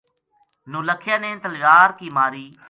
نولکھیا نے تلوار کی ماری